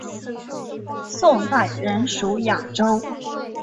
宋代仍属雅州。